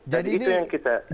jadi itu yang kita ingatkan